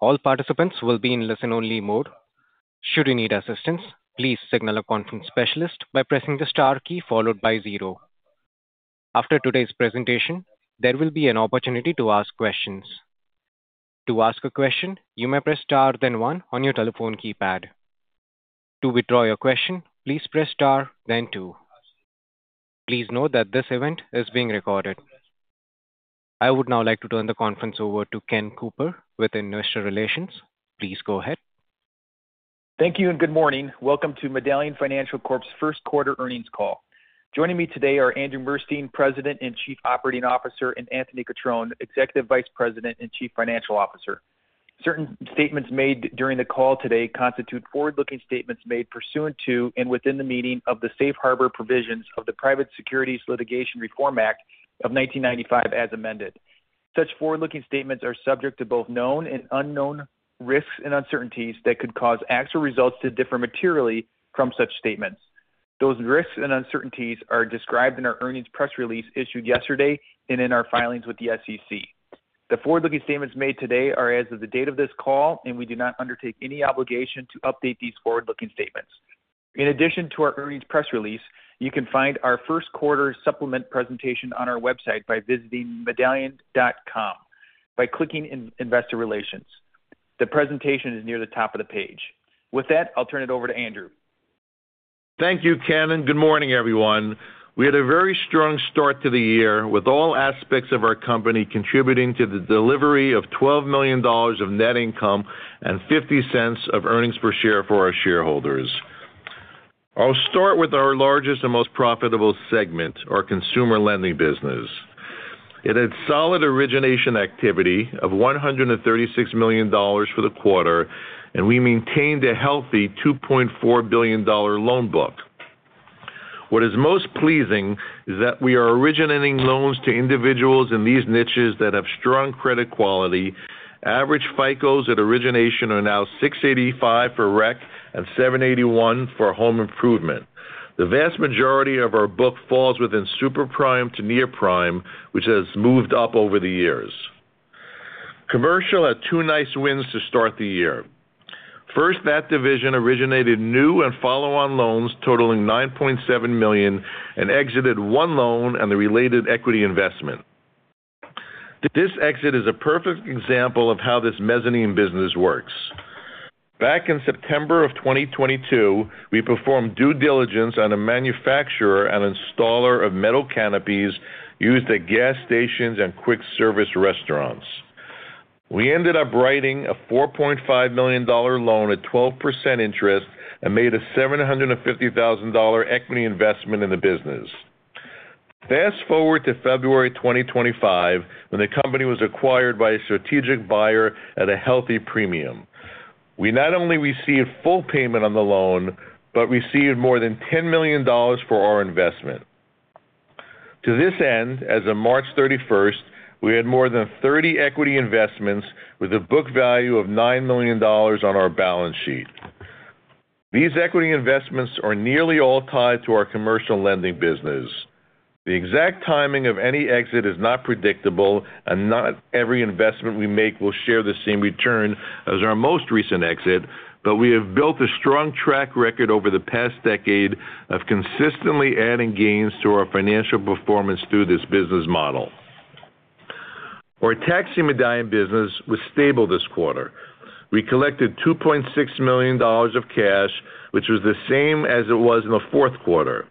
All participants will be in listen-only mode. Should you need assistance, please signal a conference specialist by pressing the star key followed by zero. After today's presentation, there will be an opportunity to ask questions. To ask a question, you may press star then one on your telephone keypad. To withdraw your question, please press star then two. Please note that this event is being recorded. I would now like to turn the conference over to Ken Cooper with Investor Relations. Please go ahead. Thank you and good morning. Welcome to Medallion Financial Corp's first quarter earnings call. Joining me today are Andrew Murstein, President and Chief Operating Officer, and Anthony Cutrone, Executive Vice President and Chief Financial Officer. Certain statements made during the call today constitute forward-looking statements made pursuant to and within the meaning of the safe harbor provisions of the Private Securities Litigation Reform Act of 1995 as amended. Such forward-looking statements are subject to both known and unknown risks and uncertainties that could cause actual results to differ materially from such statements. Those risks and uncertainties are described in our earnings press release issued yesterday and in our filings with the SEC. The forward-looking statements made today are as of the date of this call, and we do not undertake any obligation to update these forward-looking statements. In addition to our earnings press release, you can find our first quarter supplement presentation on our website by visiting medallion.com by clicking investor relations. The presentation is near the top of the page. With that, I'll turn it over to Andrew. Thank you, Ken. Good morning, everyone. We had a very strong start to the year with all aspects of our company contributing to the delivery of $12 million of net income and 50 cents of earnings per share for our shareholders. I'll start with our largest and most profitable segment, our consumer lending business. It had solid origination activity of $136 million for the quarter, and we maintained a healthy $2.4 billion loan book. What is most pleasing is that we are originating loans to individuals in these niches that have strong credit quality. Average FICOs at origination are now 685 for rec and 781 for home improvement. The vast majority of our book falls within super prime to near prime, which has moved up over the years. Commercial had two nice wins to start the year. First, that division originated new and follow-on loans totaling $9.7 million and exited one loan and the related equity investment. This exit is a perfect example of how this mezzanine business works. Back in September of 2022, we performed due diligence on a manufacturer and installer of metal canopies used at gas stations and quick service restaurants. We ended up writing a $4.5 million loan at 12% interest and made a $750,000 equity investment in the business. Fast forward to February 2025, when the company was acquired by a strategic buyer at a healthy premium. We not only received full payment on the loan, but received more than $10 million for our investment. To this end, as of March 31, we had more than 30 equity investments with a book value of $9 million on our balance sheet. These equity investments are nearly all tied to our commercial lending business. The exact timing of any exit is not predictable, and not every investment we make will share the same return as our most recent exit, but we have built a strong track record over the past decade of consistently adding gains to our financial performance through this business model. Our taxi medallion business was stable this quarter. We collected $2.6 million of cash, which was the same as it was in the fourth quarter.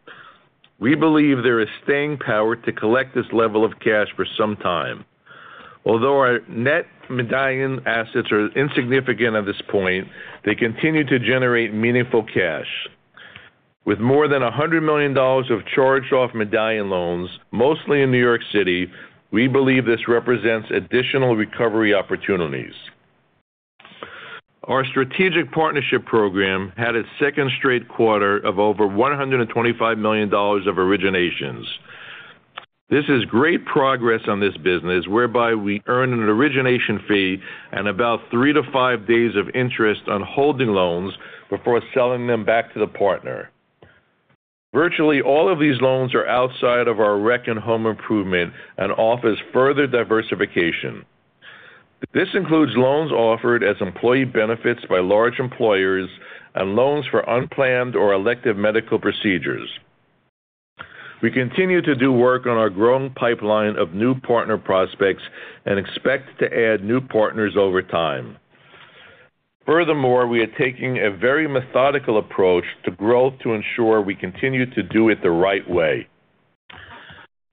We believe there is staying power to collect this level of cash for some time. Although our net medallion assets are insignificant at this point, they continue to generate meaningful cash. With more than $100 million of charged-off medallion loans, mostly in New York City, we believe this represents additional recovery opportunities. Our strategic partnership program had its second straight quarter of over $125 million of originations. This is great progress on this business, whereby we earn an origination fee and about three to five days of interest on holding loans before selling them back to the partner. Virtually all of these loans are outside of our rec and home improvement and offers further diversification. This includes loans offered as employee benefits by large employers and loans for unplanned or elective medical procedures. We continue to do work on our growing pipeline of new partner prospects and expect to add new partners over time. Furthermore, we are taking a very methodical approach to growth to ensure we continue to do it the right way.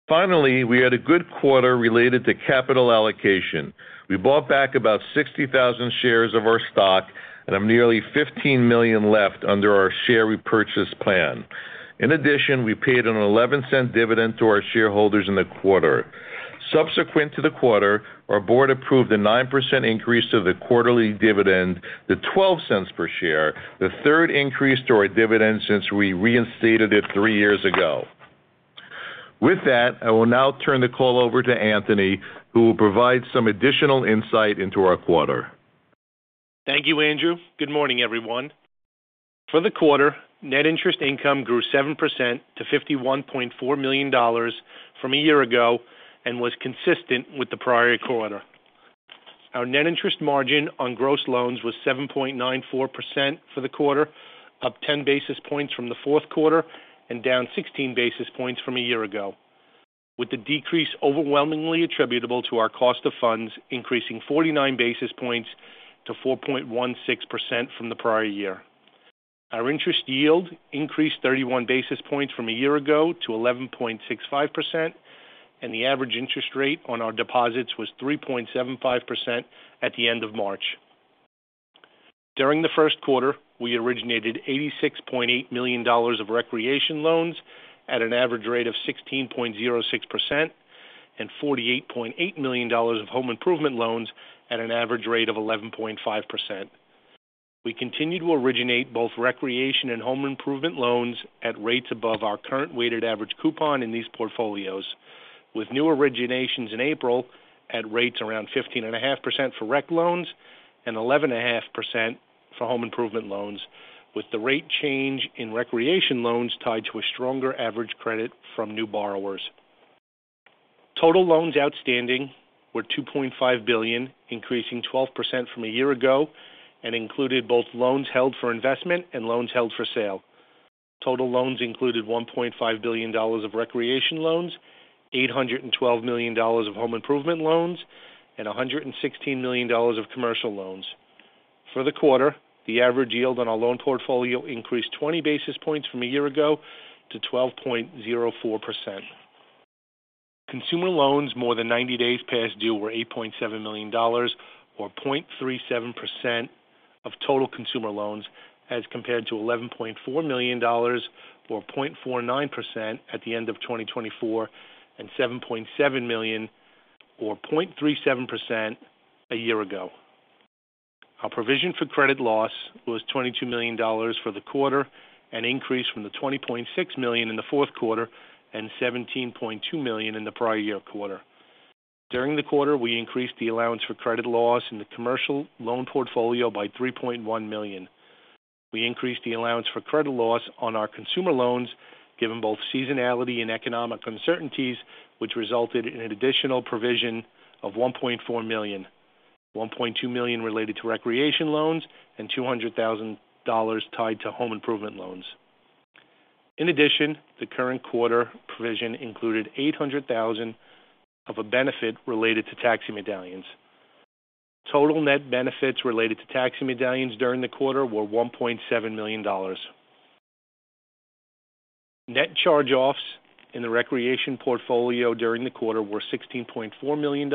Finally, we had a good quarter related to capital allocation. We bought back about 60,000 shares of our stock and have nearly $15 million left under our share repurchase plan. In addition, we paid an $0.11 dividend to our shareholders in the quarter. Subsequent to the quarter, our board approved a 9% increase to the quarterly dividend to $0.12 per share, the third increase to our dividend since we reinstated it three years ago. With that, I will now turn the call over to Anthony, who will provide some additional insight into our quarter. Thank you, Andrew. Good morning, everyone. For the quarter, net interest income grew 7% to $51.4 million from a year ago and was consistent with the prior quarter. Our net interest margin on gross loans was 7.94% for the quarter, up 10 basis points from the fourth quarter and down 16 basis points from a year ago, with the decrease overwhelmingly attributable to our cost of funds increasing 49 basis points to 4.16% from the prior year. Our interest yield increased 31 basis points from a year ago to 11.65%, and the average interest rate on our deposits was 3.75% at the end of March. During the first quarter, we originated $86.8 million of recreation loans at an average rate of 16.06% and $48.8 million of home improvement loans at an average rate of 11.5%. We continued to originate both recreation and home improvement loans at rates above our current weighted average coupon in these portfolios, with new originations in April at rates around 15.5% for rec loans and 11.5% for home improvement loans, with the rate change in recreation loans tied to a stronger average credit from new borrowers. Total loans outstanding were $2.5 billion, increasing 12% from a year ago, and included both loans held for investment and loans held for sale. Total loans included $1.5 billion of recreation loans, $812 million of home improvement loans, and $116 million of commercial loans. For the quarter, the average yield on our loan portfolio increased 20 basis points from a year ago to 12.04%. Consumer loans more than 90 days past due were $8.7 million, or 0.37% of total consumer loans, as compared to $11.4 million, or 0.49% at the end of 2024, and $7.7 million, or 0.37% a year ago. Our provision for credit loss was $22 million for the quarter, an increase from the $20.6 million in the fourth quarter and $17.2 million in the prior year quarter. During the quarter, we increased the allowance for credit loss in the commercial loan portfolio by $3.1 million. We increased the allowance for credit loss on our consumer loans, given both seasonality and economic uncertainties, which resulted in an additional provision of $1.4 million, $1.2 million related to recreation loans, and $200,000 tied to home improvement loans. In addition, the current quarter provision included $800,000 of a benefit related to taxi medallions. Total net benefits related to taxi medallions during the quarter were $1.7 million. Net charge-offs in the recreation portfolio during the quarter were $16.4 million,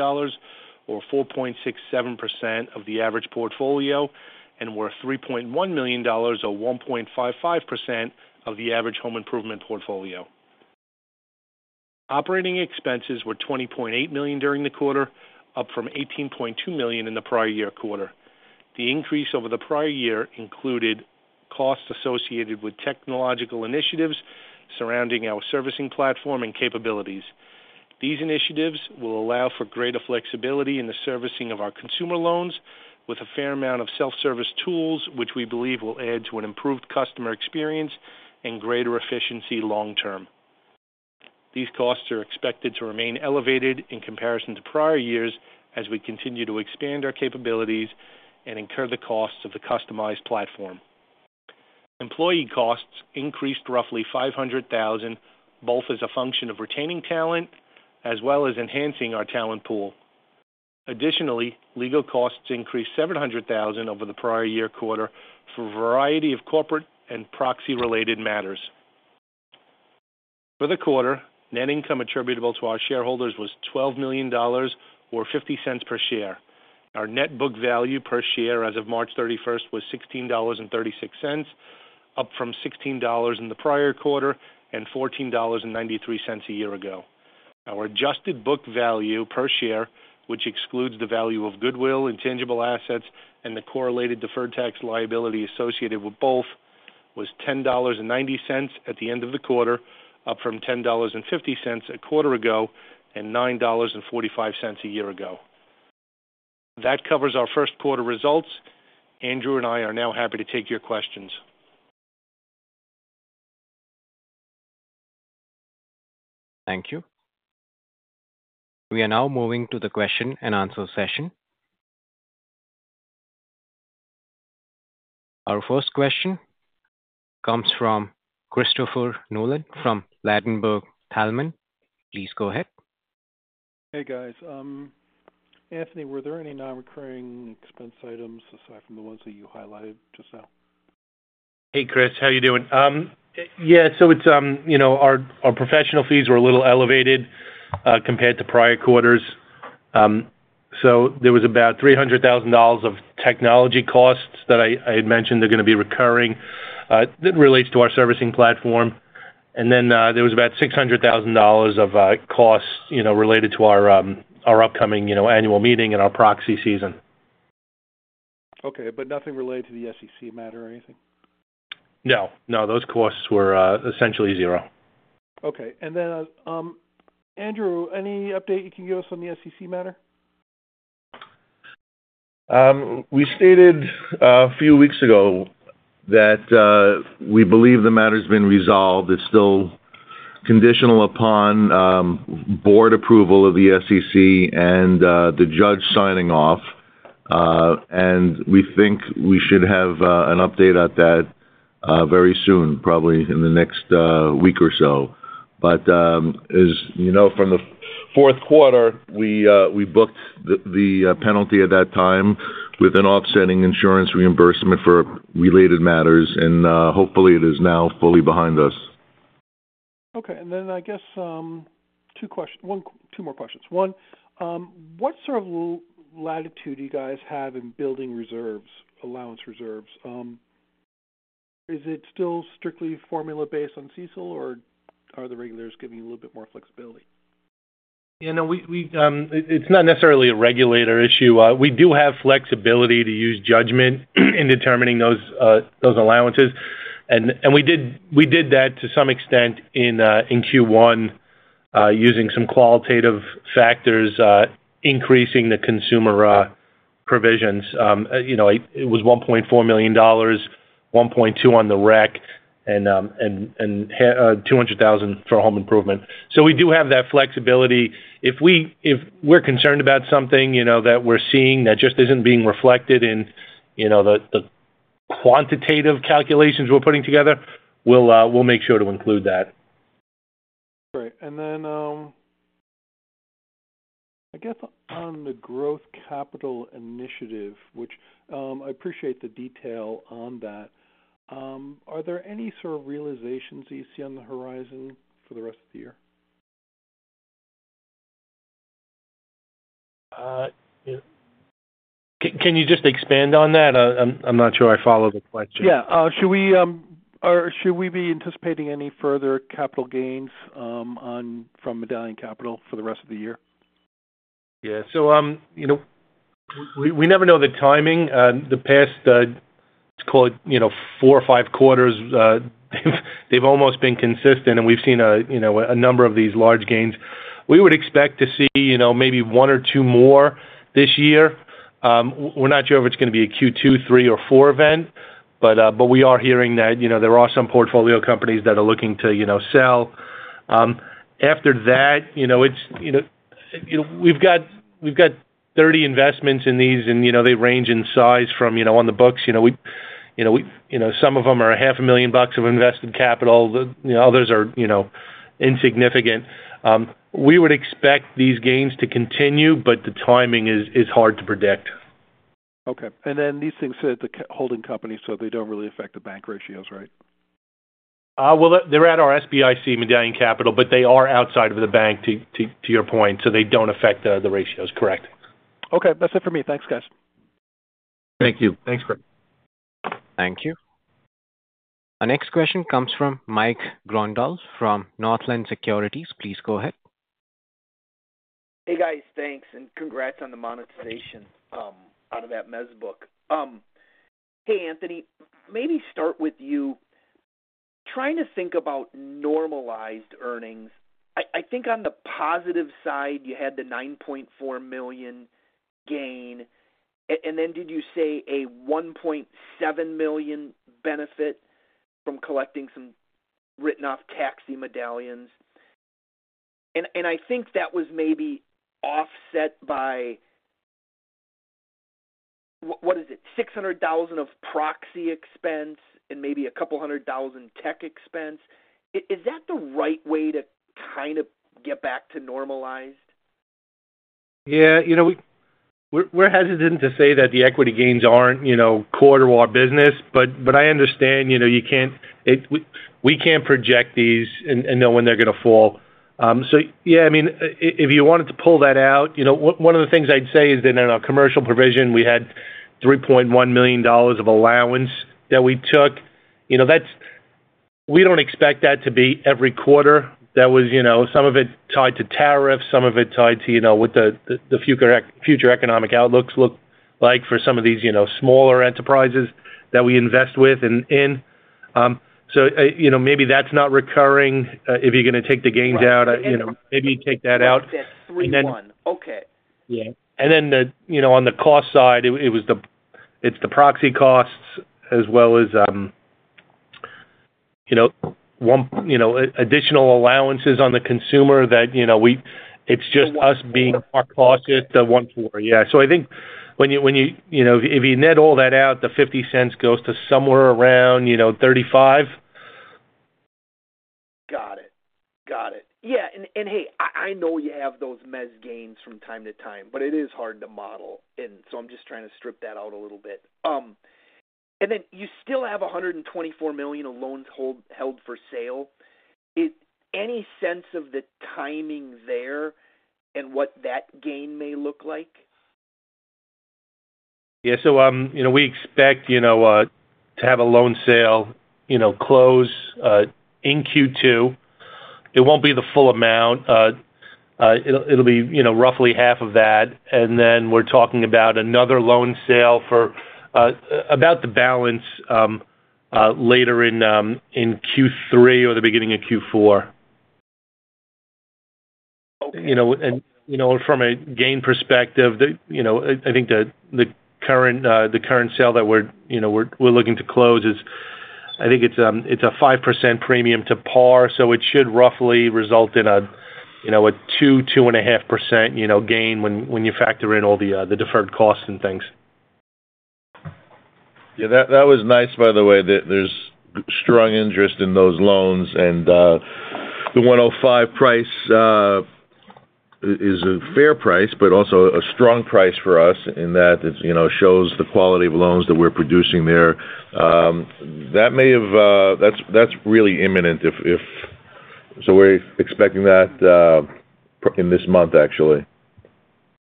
or 4.67% of the average portfolio, and were $3.1 million, or 1.55% of the average home improvement portfolio. Operating expenses were $20.8 million during the quarter, up from $18.2 million in the prior year quarter. The increase over the prior year included costs associated with technological initiatives surrounding our servicing platform and capabilities. These initiatives will allow for greater flexibility in the servicing of our consumer loans, with a fair amount of self-service tools, which we believe will add to an improved customer experience and greater efficiency long term. These costs are expected to remain elevated in comparison to prior years as we continue to expand our capabilities and incur the costs of the customized platform. Employee costs increased roughly $500,000, both as a function of retaining talent as well as enhancing our talent pool. Additionally, legal costs increased $700,000 over the prior year quarter for a variety of corporate and proxy-related matters. For the quarter, net income attributable to our shareholders was $12 million, or $0.50 per share. Our net book value per share as of March 31st was $16.36, up from $16 in the prior quarter and $14.93 a year ago. Our adjusted book value per share, which excludes the value of goodwill, intangible assets, and the correlated deferred tax liability associated with both, was $10.90 at the end of the quarter, up from $10.50 a quarter ago and $9.45 a year ago. That covers our first quarter results. Andrew and I are now happy to take your questions. Thank you. We are now moving to the question and answer session. Our first question comes from Christopher Nolan from Ladenburg Thalmann. Please go ahead. Hey, guys. Anthony, were there any non-recurring expense items aside from the ones that you highlighted just now? Hey, Christopher. How are you doing? Yeah. Our professional fees were a little elevated compared to prior quarters. There was about $300,000 of technology costs that I had mentioned are going to be recurring. That relates to our servicing platform. There was about $600,000 of costs related to our upcoming annual meeting and our proxy season. Okay. Nothing related to the SEC matter or anything? No. No. Those costs were essentially zero. Okay. Andrew, any update you can give us on the SEC matter? We stated a few weeks ago that we believe the matter has been resolved. It is still conditional upon board approval of the SEC and the judge signing off. We think we should have an update on that very soon, probably in the next week or so. As you know, from the fourth quarter, we booked the penalty at that time with an offsetting insurance reimbursement for related matters. Hopefully, it is now fully behind us. Okay. I guess two more questions. One, what sort of latitude do you guys have in building reserves, allowance reserves? Is it still strictly formula-based on CECL, or are the regulators giving you a little bit more flexibility? Yeah. No. It's not necessarily a regulator issue. We do have flexibility to use judgment in determining those allowances. We did that to some extent in Q1 using some qualitative factors, increasing the consumer provisions. It was $1.4 million, $1.2 million on the rec, and $200,000 for home improvement. We do have that flexibility. If we're concerned about something that we're seeing that just isn't being reflected in the quantitative calculations we're putting together, we'll make sure to include that. And then I guess on the growth capital initiative, which I appreciate the detail on that, are there any sort of realizations that you see on the horizon for the rest of the year? Can you just expand on that? I'm not sure I follow the question. Yeah. Should we be anticipating any further capital gains from Medallion Capital for the rest of the year? Yeah. We never know the timing. The past, let's call it four or five quarters, they've almost been consistent, and we've seen a number of these large gains. We would expect to see maybe one or two more this year. We're not sure if it's going to be a Q2, 3, or 4 event, but we are hearing that there are some portfolio companies that are looking to sell. After that, we've got 30 investments in these, and they range in size from on the books. Some of them are $500,000 of invested capital. Others are insignificant. We would expect these gains to continue, but the timing is hard to predict. Okay. These things sit at the holding company, so they don't really affect the bank ratios, right? They are at our SBIC Medallion Capital, but they are outside of the bank, to your point, so they do not affect the ratios. Correct. Okay. That's it for me. Thanks, guys. Thank you. Thanks, Chris. Thank you. Our next question comes from Mike Grondahl from Northland Securities. Please go ahead. Hey, guys. Thanks. Congrats on the monetization out of that mezz book. Hey, Anthony, maybe start with you. Trying to think about normalized earnings. I think on the positive side, you had the $9.4 million gain. Did you say a $1.7 million benefit from collecting some written-off taxi medallions? I think that was maybe offset by, what is it, $600,000 of proxy expense and maybe a couple hundred thousand tech expense. Is that the right way to kind of get back to normalized? Yeah. We're hesitant to say that the equity gains aren't a core part of our business, but I understand you can't—we can't project these and know when they're going to fall. Yeah, I mean, if you wanted to pull that out, one of the things I'd say is that in our commercial provision, we had $3.1 million of allowance that we took. We don't expect that to be every quarter. That was some of it tied to tariffs, some of it tied to what the future economic outlooks look like for some of these smaller enterprises that we invest with and in. Maybe that's not recurring if you're going to take the gains out. Maybe you take that out. I think that's 31. Okay. Yeah. And then on the cost side, it's the proxy costs as well as additional allowances on the consumer that it's just us being more cautious to want for. Yeah. I think when you—if you net all that out, the $0.50 goes to somewhere around $0.35. Got it. Got it. Yeah. Hey, I know you have those Mezz gains from time to time, but it is hard to model. I am just trying to strip that out a little bit. You still have $124 million of loans held for sale. Any sense of the timing there and what that gain may look like? Yeah. We expect to have a loan sale close in Q2. It will not be the full amount. It will be roughly half of that. We are talking about another loan sale for about the balance later in Q3 or the beginning of Q4. From a gain perspective, I think the current sale that we are looking to close is, I think, a 5% premium to par. It should roughly result in a 2-2.5% gain when you factor in all the deferred costs and things. Yeah. That was nice, by the way, that there's strong interest in those loans. And the $105 price is a fair price, but also a strong price for us in that it shows the quality of loans that we're producing there. That's really imminent. We are expecting that in this month, actually.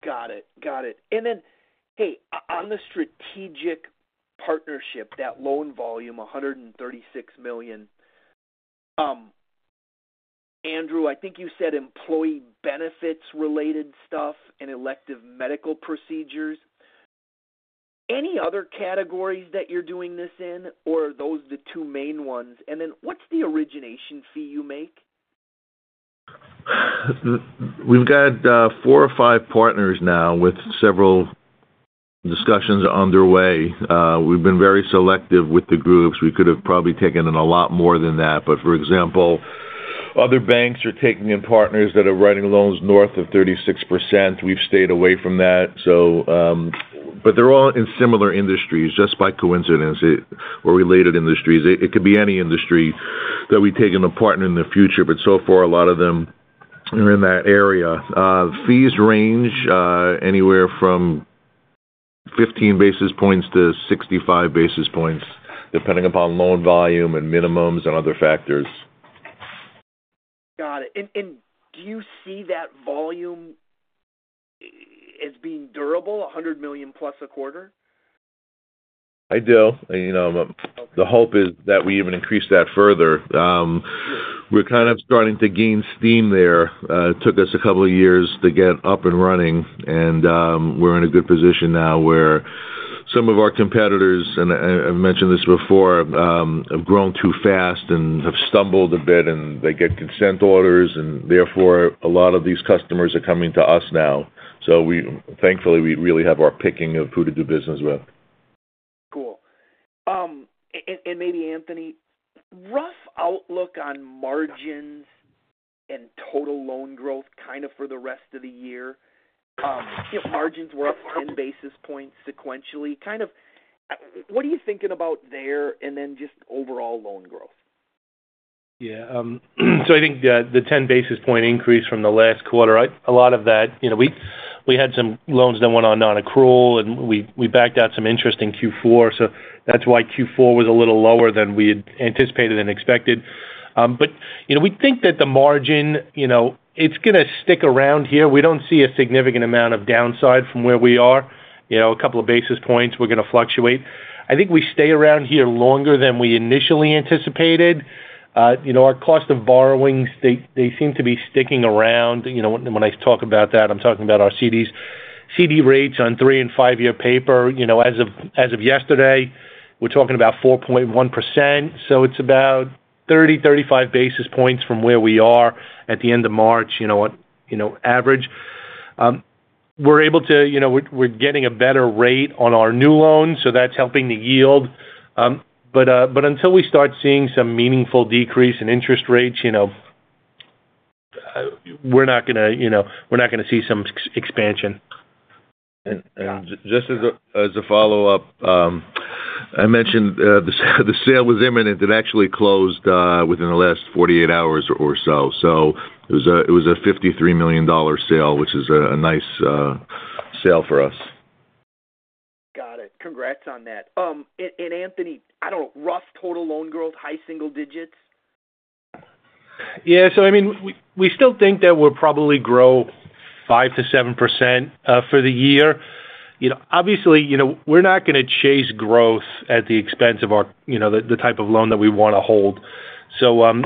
Got it. Got it. On the strategic partnership, that loan volume, $136 million, Andrew, I think you said employee benefits-related stuff and elective medical procedures. Any other categories that you're doing this in, or are those the two main ones? What's the origination fee you make? We've got four or five partners now with several discussions underway. We've been very selective with the groups. We could have probably taken in a lot more than that. For example, other banks are taking in partners that are writing loans north of 36%. We've stayed away from that. They're all in similar industries, just by coincidence, or related industries. It could be any industry that we take in a partner in the future, but so far, a lot of them are in that area. Fees range anywhere from 15 basis points-65 basis points, depending upon loan volume and minimums and other factors. Got it. Do you see that volume as being durable, $100 million plus a quarter? I do. The hope is that we even increase that further. We're kind of starting to gain steam there. It took us a couple of years to get up and running. We're in a good position now where some of our competitors, and I've mentioned this before, have grown too fast and have stumbled a bit, and they get consent orders. Therefore, a lot of these customers are coming to us now. Thankfully, we really have our picking of who to do business with. Cool. Maybe, Anthony, rough outlook on margins and total loan growth kind of for the rest of the year. Margins were up 10 basis points sequentially. Kind of what are you thinking about there and then just overall loan growth? Yeah. I think the 10 basis point increase from the last quarter, a lot of that, we had some loans that went on non-accrual, and we backed out some interest in Q4. That is why Q4 was a little lower than we had anticipated and expected. We think that the margin, it is going to stick around here. We do not see a significant amount of downside from where we are. A couple of basis points, we are going to fluctuate. I think we stay around here longer than we initially anticipated. Our cost of borrowing, they seem to be sticking around. When I talk about that, I am talking about our CD rates on three and five-year paper. As of yesterday, we are talking about 4.1%. It is about 30-35 basis points from where we are at the end of March, average. We're able to—we're getting a better rate on our new loans, so that's helping the yield. Until we start seeing some meaningful decrease in interest rates, we're not going to—we're not going to see some expansion. Just as a follow-up, I mentioned the sale was imminent. It actually closed within the last 48 hours or so. It was a $53 million sale, which is a nice sale for us. Got it. Congrats on that. Anthony, I don't know, rough total loan growth, high single digits? Yeah. I mean, we still think that we'll probably grow 5-7% for the year. Obviously, we're not going to chase growth at the expense of the type of loan that we want to hold. We're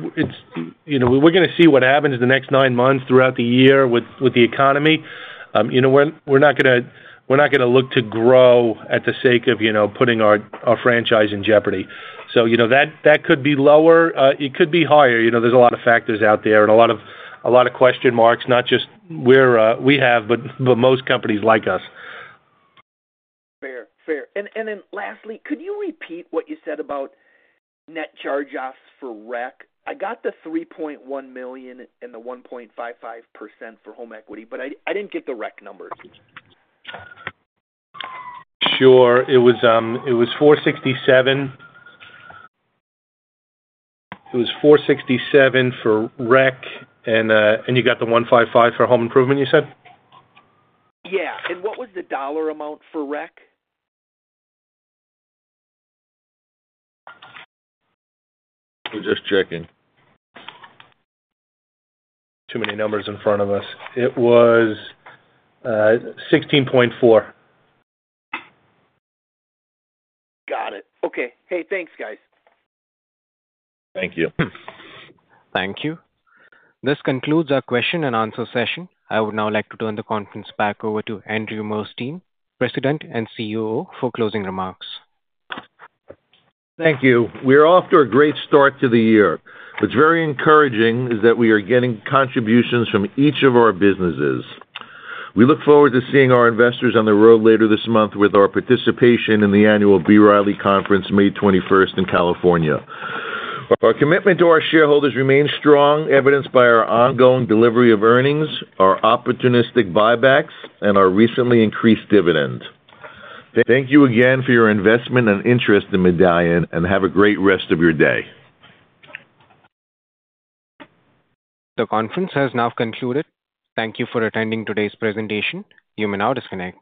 going to see what happens the next nine months throughout the year with the economy. We're not going to look to grow at the sake of putting our franchise in jeopardy. That could be lower. It could be higher. There's a lot of factors out there and a lot of question marks, not just we have, but most companies like us. Fair. Fair. Lastly, could you repeat what you said about net charge-offs for rec? I got the $3.1 million and the 1.55% for home equity, but I did not get the rec numbers. Sure. It was 4.67%. It was 4.67% for rec, and you got the 1.55% for home improvement, you said? Yeah. What was the dollar amount for rec? I'm just checking. Too many numbers in front of us. It was $16.4 million. Got it. Okay. Hey, thanks, guys. Thank you. Thank you. This concludes our question and answer session. I would now like to turn the conference back over to Andrew Murstein, President and COO, for closing remarks. Thank you. We are off to a great start to the year. What's very encouraging is that we are getting contributions from each of our businesses. We look forward to seeing our investors on the road later this month with our participation in the annual B. Riley Conference, May 21st in California. Our commitment to our shareholders remains strong, evidenced by our ongoing delivery of earnings, our opportunistic buybacks, and our recently increased dividend. Thank you again for your investment and interest in Medallion, and have a great rest of your day. The conference has now concluded. Thank you for attending today's presentation. You may now disconnect.